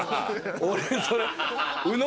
俺それ。